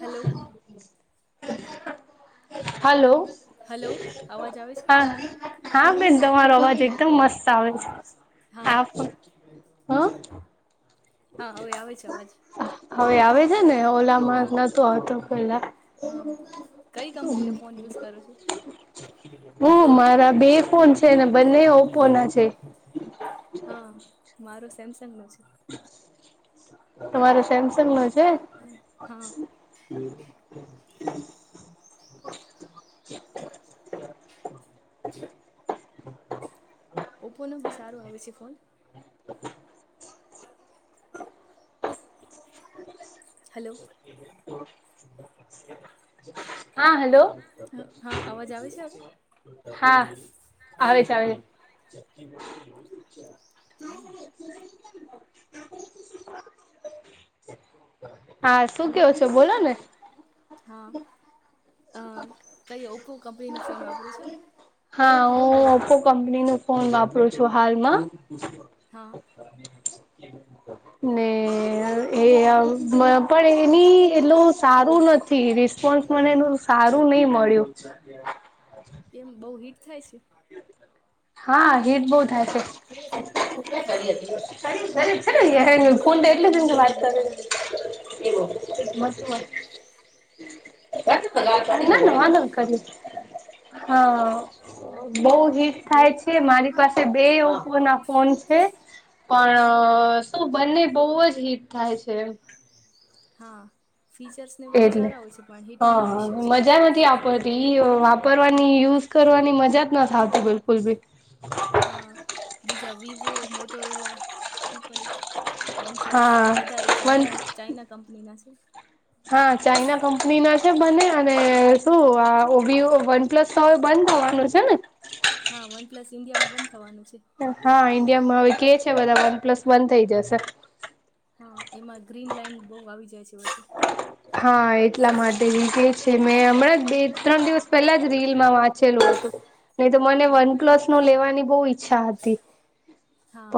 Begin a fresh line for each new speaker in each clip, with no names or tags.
Hello.
Hello.
Hello હા.
હા હા બેન તમારો અવાજ એકદમ મસ્ત આવે છે. હા હમ્મ.
હા હવે આવે છે અવાજ
હવે આવે છે ને ઓલા માં
હા
નતું આવતું પેલા
હા કઈ કંપનીના ફોન યુઝ કરો છો.
હું મારા બે ફોન છે બને ઓપો ના છે.
હા મારો સેમસંગ નો છે.
તમારો સેમસંગ નો છે અચ્છા
હા ઓપોનો બી સારું આવે છે ફોન
[inaudible]
હલો.
[unintelligible] હા હલો
હા અવાજ આવે છે હવે
હા આવે છે આવે
હા
છે. [inaudible] હા શું કયો છો બોલો ને
હા અ કઈ ઓપ્પો કંપનીનો ફોન વાપરો છો
હા હું ઓપ્પો કંપની નું ફોન વાપરું છું હાલમાં
હા.
ને એ અ પણ એની એટલું સારું નથી રીસ મને એનું સારું નહી મળ્યું
કેમ બહુ હિટ થાય છે.
હા હીટ બહુ થાય છે.
હા
ફોન
મોટોરોલા
કેટલા જણ
કંપની ને
વાત
એ
કરો
બધા આવ્યા છે.
છો? [inaudible] [inaudible] મસ્ત વાત [inaudible] [inaudible] ના ના વાહન કરું હા
હમ
બહુ હિટ થાય
બહુ
છે મારી પાસે બે ઓપો ના ફોન છે. પણ શું બંને બહુ જ હીટ થાય છે.
હા ફીચર્સ ને બધા
એટલે
સારા હોય છે પણ હિટિંગ
હા
નો ઈસ્યુ
હા
છે.
મજા નથી આવ [inaudible] બધી વાપરવાની યુઝ કરવાની મજા જ ન થ આવતી બિલકુલ ભી,
હા બીજા વિવો મોટોરોલા એપણ એજ, વનપ્લસ
હા
બધા એ
વન
ચાઈના ચાઈના કંપનીના છે.
હા ચાઈના કંપની ના છે બને અને શું ઓ વિવો વનપ્લસ તો હવે બંધ થવાનું છે ને,
હા વનપ્લસ ઇન્ડિયામાં બંધ થવાનું છે.
હા ઇન્ડિયા માં હવે કે છે બધા વન પ્લસ બંધ થઈ જશે.
હા એમાં ગ્રીન લાઈન બહુ આવી જાય છે વચ્ચે
હા એટલા
સ્ક્રીન
માટે કે છે
હા
મેં હમણાં બે ત્રણ દિવસ પહેલા જ રીલમાં વાં વાચેલું હતું નહી તો મને
હા
વન પ્લસ નો લેવાની બહુ ઈચ્છા હતી
હા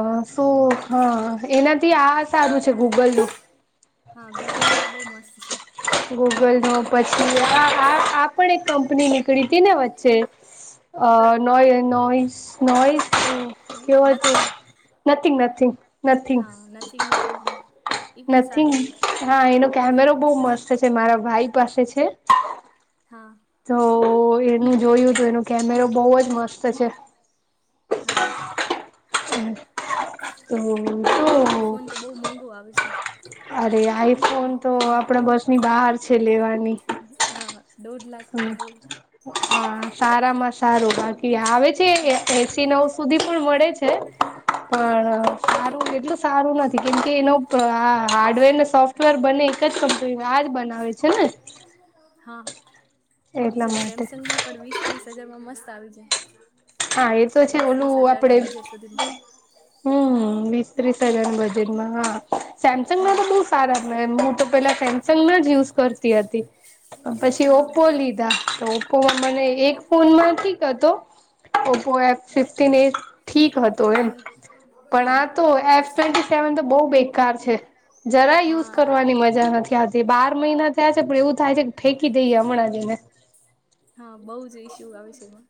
એમાં
શું હા એનાથી આ સારું છે ગૂગલનું,
હા ગૂગલ નું તો બહુ મસ્ત છે,
ગૂગલ નો પછી આ આ પણ એક કંપની નીકળી હતી ને વચ્ચે, અ નો નોયસ નોયસ નોયસ હમ ક્યો હતો
નથિંગ
નથિંગ નથિંગ
હા નથીંગ ની કંપની એ પણ
નથીંગ
સારી એવી છે.
હા એનો કેમેરો બહુ મસ્ત છે મારા ભાઈ પાસે છે.
હા,
તો એનું જોયું તો એનું કેમેરો બહુ જ મસ્ત છે.
હા,
હમ, [inaudible] હ [inaudible] તો ઓ
બીજો આઈફોન તો બહુ મોંઘો આવે છે.
અરે આઈફોન તો આપણા બસ, વાર છે લેવાની,
હા,, દોઢ લાખ નું
હમ
આવે.
હ સારામાં, સારું બાકી આવે છે એસી નેવું સુધી પણ મળે છે.
હા
પણ સારું એટલું સારું નથી કેમ કે એનો આ હાર્ડવેરને સોફ સોફ્ટવેર બને એક જ કંપની આજ બનાવે છે ને,
હા
એટલા
બીજા
માટે
સેમસંગમાં પણ વીસ ત્રીસ હજારમાં મસ્ત આવી જાય છે.
હા એ તો છે
વીસ
ઓલું
ત્રીસ હજાર
આપડે
ના બજેટ સુધી,
હમ વીસ ત્રીસ હજાર બજેટમાં હા સેમ
હા,
બહુ સારા પડે હું તો પેલા સેમસંગ ના જ યુઝ કરતી હતી. પછી
હા.
ઓપ્પો લીધા તો ઓપ્પોમાં મને એક ફોન માં ઠીક હતો, ઓપો એફ ફિફ્ટન એ ઠીક હતો એમ પણ આ તો એફ ટ્વેનટી સેવન બહુ બેકાર છે જરા યુઝ
હા
કરવાની મજા
હા.
નથી આવતી બાર મહિના થયા, થય છે પણ એવું થાય છે કે ફેંકી દઈએ હમણાં જ એને,
હા બહુ જ ઈશ્યુ આવે છે એમાં,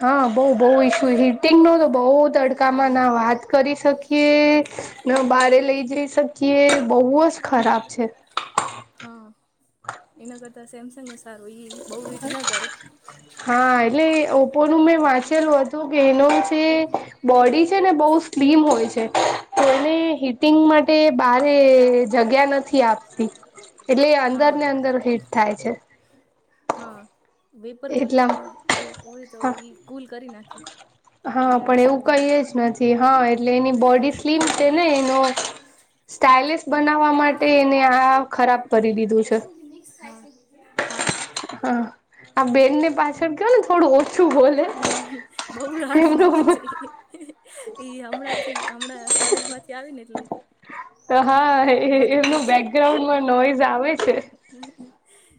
હા બહુ બહુ ઈસ્યુ હીટિંગ નો તો બહુ તડકામાં ના વાત
[inaudible]
કરી શકીએ ન બારે લઈ જઈ શકીએ બહુ જ ખરાબ છે.
હા એના કરતા સેમસંગ સારું ઈ બહુ હિટ ના કરે
હા એટલે એ ઓપ્પોનું મેં વાંચેલું હતું કે એનો જે બોડી છે ને બહુ સ્લીમ હોય છે. એને હિટિંગ માટે બારે જગ્યા નથી આપતી. એટલે એ
હા
અંદર ને અંદર હીટ થાય છે.
હા વેપર કુલિંગ
એટલા
એ હોય તો
હા
ઈ કુલ કરી નાખે
હા
અંદર
પણ એવું
ડિસ્પ્લેને
કંઈ જ નથી. હ એટલે એની બોડી સ્લીમ છે ને એનો સ્ટાઈલિશ બનાવવા માટે એને આ ખરાબ કરી દીધું છે. હા આ બેનને પાછળ કયો ને થોડું ઓછું બોલે
બહું રાડું નાખે
એમનું
છે ઈ ઈ હમણાંથી હમણાં કોલેજ માંથી આવી ને એટલે
તો હા એ-એ
બધું કે
એમનું
છે
બેકગ્રાઉન્ડમાં નોઈઝ આવે છે.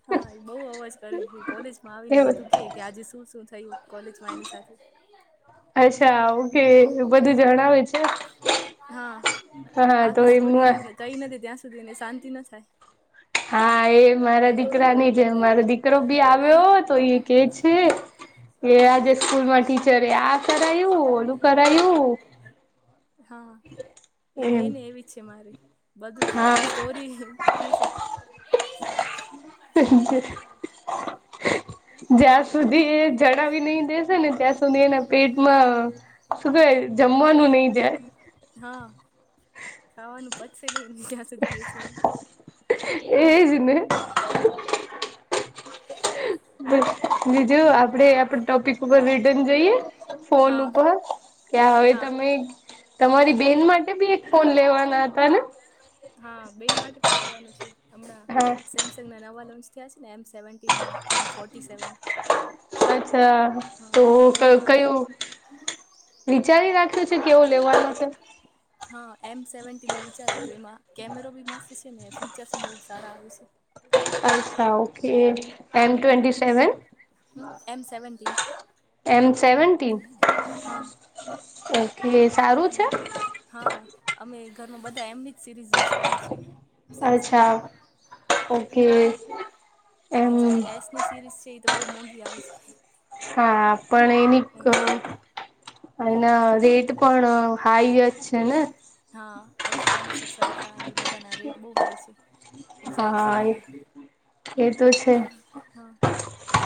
હા ઈ બઉ અવાજ કરે છે. કોલેજમાં આવીને
એ
બધું કેઈ કે આજે શું-શું થયું કોલેજમાં એની સાથે
અચ્છા ઓકે એ બધું જણાવે છે.
હા
હા તો
આખી સ્ટોરી
એમનું
કઈ ન દે ત્યાં સુધી એને શાંતિ ન થાય
હા એ મારા દીકરા ની જેમ મારો દીકરો બી આવ્યો તો ઈ કહે છે, એ આજે સ્કૂલમાં ટીચરે આ કરાયું, ઓલું કરાયું
હા ઈ
એમ
બેને એવી જ છે મારી બધું
હા
સ્ટોરી કેશે. [inaudible]
[inaudible]
[unintelligible]
[unintelligible] જ્યાંર સુધી એ જણાવી નઈ દેશે ને ત્યાં સુધી એના પેટમાં શું કહેવાય જમવાનું નઈ જાય
હા ખાવાનું પચશે નઈ, જ્યાં સુધી કેશે નઈ
એજ ને
[inaudible]
બીજું આપણે આપણા ટોપિક ઉપર રિટર્ન જઈએ ફોન
હા
ઉપર કે હવે
હા
તમે તમારી બેન માટે બી એક ફોન લેવાના હતા ને?
હા બેન માટે પણ લેવાનું છે. હમણાં
હા
સેમસંગ ના નવા લોન્ચ થયા છે ને એમ સેવન ટી ને એમ ફોર્ટી સેવન
અચ્છા
હા
તો
એનામાં
કયું-કયું વિચારી રાખ્યું છે કેવો લેવાનો છે?
હા એમ સેવન્ટીનનું વિચાર્યું તું એમાં કેમેરો બી મસ્ત છે ને, આ ફીચર્સ બહુ સારા આવે છે.
અચ્છા ઓકે એમ ટ્વેન્ટી સેવન?
હમ એમ સેવન્ટીન
એમ સેવન્ટીન
હા
ઓકે સારું છે.
હા હા અમે ઘરમાં બધા એમની જ સીરીઝ યુઝ કરીએ છે.
અચ્છા
સેમસંગમાં,
ઓકે
હા
એમ
બીજી એસની સિરીઝ છે ઈ તો બહુ મોંઘી આવે છે.
હા. પણ એનીક
એ
એના
એસ
રેટ પણ હાઈ જ છે ને?
હા. એસ ટ્વેન્ટી સિક્સ અલ્ટ્રાને ઈ બધાના રેટ બહુ હાઈ છે. ઝેડ
હાએ
ફોલ્ડના
એતો છે.
હા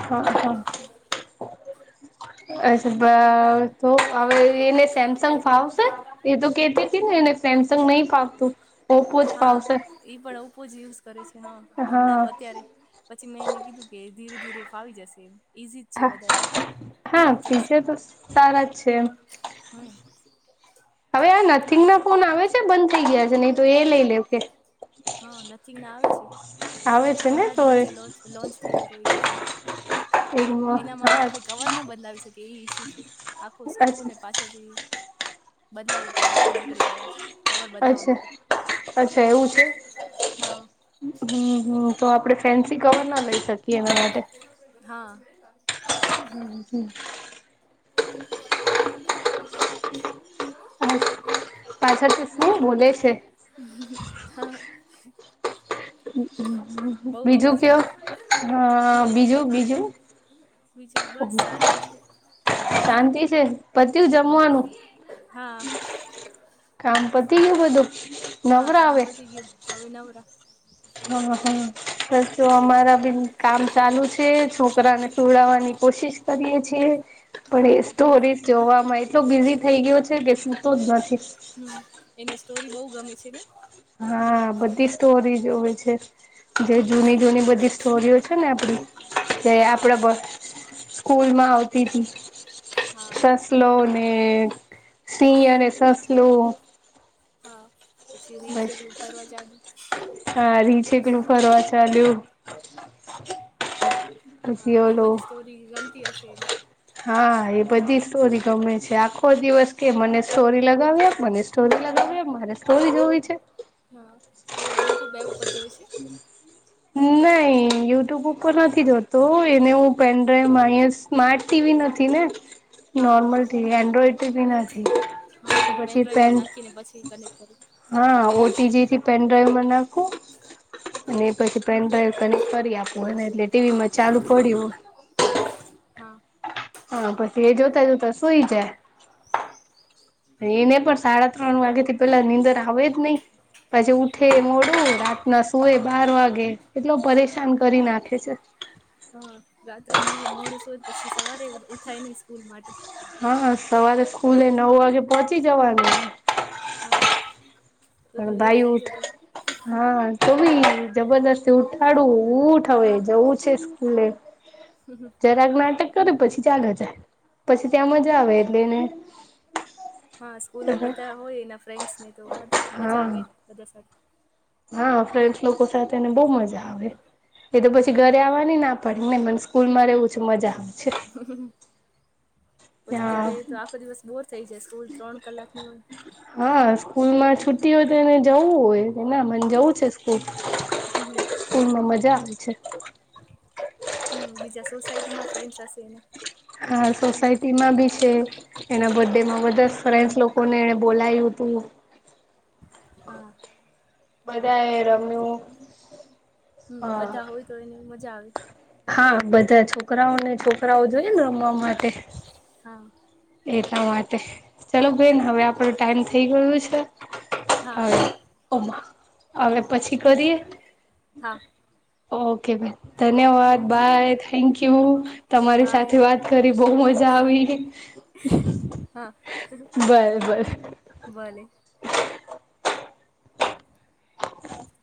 હા, હા. [unintelligible] તો હવે એને સેમસંગ ફાવશે? એ તો કેતી તી ને એને સેમસંગ નહીં ફાવતું. ઓપ્પો જ
હા.
ફાવશે
ઈ પણ ઓપો જ યુઝ કરે છે, હા હમણાં
હા
અત્યારે. પછી મેં એને કીધું કે ધીરે ધીરે ફાવી જશે. ઈઝી જ છે
હા
બધા એના
હા
ફીચર્સ.
ફીચર તો સારા જ છે એમ
હમ્મ.
હવે આ નથિંગના ફોન આવે છે બંધ થઈ ગયા છે, નહી તો એ લઈ લેવ કે
હા, નથીંગના આવે છે.
આવે છે ને
હમણાં જ
તો હા
વચ્ચે લોચ લોન્ચ થયો તો એક મોડલ. એનામાં આપડે કવર ના બદલાવી શકીએ એ ઈસ્યુ છે, આખો
અચ્છા
સ્ક્રુને પાછ ળ રેય બદલાવવું પડે તો નીકળે કવર, કવર બદલાવા
અચ્છા
માટે
અચ્છા એવું છે,
હા
હમ્મ હમ્મ તો આપડે ફેન્સી કવર ના લઈ શ
હા.
[unintelligible]
[unintelligible]
આજ પાછળથી શું બોલે છે?
[unintelligible] હા. બઉ
બીજું
અવાજ
કયો
આવે છે.
હ બીજું બીજું?
બીજું, બસ શાંતિ છે.
શાંતિ છે પત્યું જમવાનું
હા.
કામ પતિ ગયું બધું
હા
નવરા
કામ
હવે?
પતી ગયું હવે નવરા.
હમ્મ, હમ્મ બસ જો અમારા બી કામ ચાલુ છે. છો કરાને સુવડાવવાની કોશિશ કરીએ છીએ. પણ એ સ્ટોરી જોવામાં એટલો બિઝી થઈ ગયો છે, કે સુતો જ નથી.
હમ્મ, એને સ્ટોરી બહુ ગમે છે ને?
હા,
હમ,
બધી સ્ટોરી જોવે છે. જે જૂની-જૂની બધી સ્ટોરીઓ છે ને આપડી જે
હા
આપડા બસ સ્કૂલમાં આવતી તી.
હા
સસલોને સિંહ અને સસલું.
હા, પછી રીંછ
બસ
એકલું ફરવા ચાલ્યું.
હા, રીંછ એકલું ફરવા ચાલ્યું.
હા,
પછી
એ
ઓલું
બધી સ્ટોરી ગમતી હશે એને.
હા, એ
હમ,
બધી સ્ટોરી ગમે છે, આખો દિવસ કે મને સ્ટોરી લગાવી મને સ્ટોરી લગાવી
હમ,
આપ મારે સ્ટોરી જોવી છે.
હા, કયા યુટ્યુબ એપ ઉપર જોય છે?
[inaudible] નહી, યુટ્યુબ ઉપર નથી જોતો એને હું પેનડ્રાઈવમાં અયાજ સ્માાર્ટ ટીવી નથી ને
હા
નોર્મલ
તો
ટીવી એન્ડ્રોઇડ ટીવી નથી.
હા, તો પેન ડ્રાઈવમાં નાખીને પછી કનેક્ટ કરી
હા, ઓટીજીથી પેન ડ્રાઈવમાં નાખું. અને એ પછી પેન ડ્રાઈવ કનેક્ટ કરી આપું એટલે ટીવીમાં ચાલુ પડ્યું.
[inaudible] હા.
હા, પછી એ જોતા-જોતા સુઈ જાય. એને પણ સાડા ત્રણ વાગેથી પેલા નીંદર આવે જ નહી. પછી ઉઠે મોડું રાતના સુએ બાર વાગે એટલો પરેશાન કરી નાખે છે.
હા રાત્રે મોડું સૂવે પછી સવારે ઉઠાય નહી સ્કૂલ માટે.
હા, સવારે સ્કૂલે નવ વાગે પહોંચી જવાનું.
હા, તો તો
પણ
લેટ
ભાઈ
થઈ
ઉઠ
જતી.
હા, તોબી જબરદસ્તી ઉઠાડું ઉઠ હવે જવું છે સ્કૂલે. [unintelligible]
હમ.
જરાક માટે કરે પછી [unintelligible] પછી ત્યાં મજા આવે. એટલે એને.
હા સ્કૂલમાં બધા હોય. એના ફ્રેન્ડ્સને તો બધા મજા
હા
આવે. બધા સાથે.
હા ફ્રેન્ડસ લોકો સાથેને બહુ મજા આવે. એતો
હમ
પછી ઘ આવાની ના પડીને મને સ્કૂલમાં રહેવું છે મજા. છે.
હમમ.. પછી ઘરે
હા
તો આખો દિવસ બોર થઈ જાય. સ્લ સ્કૂલ ત્રણ કલાક ની હોય.
હા સ્કૂલમાં છુટ્ટી હોય. તો એને જવું હોય ના મને જવું છે સ્કૂલ.
હમ.
સ્કૂલમાં મજા આવે છે.
હમ બીજા સોસાયટીમાં ફ્રેન્સ હશે એના.
હા
હમ
સોસાયટીમાં બી છે. એના બર્થડેમાં બધા ફ્રેન્ડસ લોકોને એને બોલાયું હતું.
હા.
બધાએ રમ્યું.
હમ
હા
બધા હોય, તો એની મજા આવે.
હા બધા છોકરાઓને છોકરાઓ જોઈ એને રમવા માટે.
હા.
એટલા માટે ચલો બેન
હા
હવે આપનો ટાઈમ થઈ ગયો છે.
હા
હા હવે પછી કરીએ.
હા
ઓકે બૅન ધન્યવાદ
ઓકે
બાય થેન્ક યુ. તમારી
બાય
સાથે વાત કરી બહુ મજા આવી.
હા,
બર બર
ભલે.
હ [unintelligible]